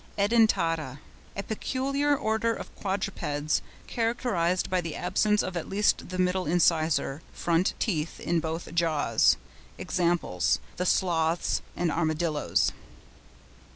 EDENTATA.—A peculiar order of Quadrupeds, characterised by the absence of at least the middle incisor (front) teeth in both jaws. (Examples, the Sloths and Armadillos.)